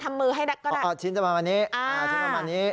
ทำมือให้ก็ได้ชิ้นจะประมาณนี้